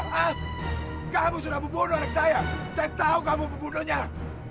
terima kasih dan lagi maaf penyayang